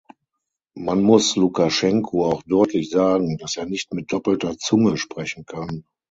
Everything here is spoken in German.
Man muss Lukaschenko auch deutlich sagen, dass er nicht mit doppelter Zunge sprechen kann.